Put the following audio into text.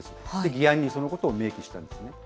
議案にそのことを明記したんですね。